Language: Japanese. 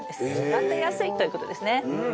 育てやすいということですね。